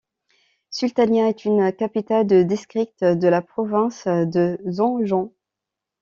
Sultaniya est une capitale de district de la province de Zanjan.